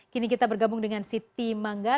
kini kita bergabung dengan siti mangga